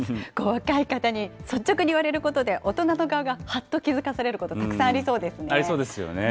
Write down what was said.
若い方に率直に言われることで、大人の側がはっと気付かされること、たくさんありそうですよね。